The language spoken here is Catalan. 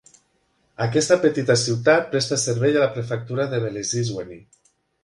Aquesta petita ciutat presta servei a la prefectura de Velezizweni.